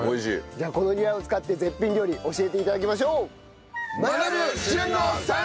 じゃあこのニラを使って絶品料理教えて頂きましょう！